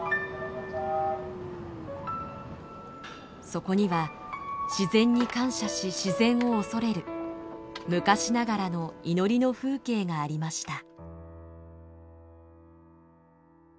そこには自然に感謝し自然を畏れる昔ながらの祈りの風景がありました。